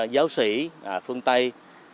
giáo sĩ phương tây